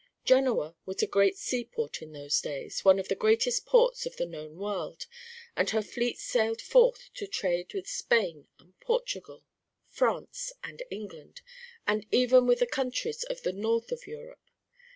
Genoa was a great seaport in those days, one of the greatest ports of the known world, and her fleets sailed forth to trade with Spain and Portugal, France and England, and even with the countries to the north of Europe.